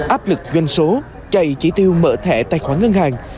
áp lực doanh số chạy chỉ tiêu mở thẻ tài khoản ngân hàng